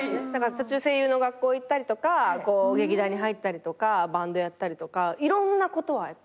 声優の学校行ったりとか劇団に入ったりとかバンドやったりとかいろんなことはやった。